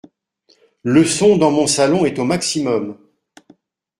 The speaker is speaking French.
Le son dans mon salon est au maximum.